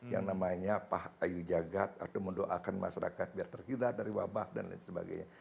yang namanya pah ayu jagad atau mendoakan masyarakat biar terhindar dari wabah dan lain sebagainya